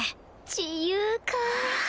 自由か。